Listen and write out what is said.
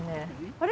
あれ？